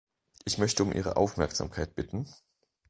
Ich möchte um Ihre Aufmerksamkeit bitten.